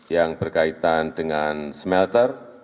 yang berkaitan dengan smelter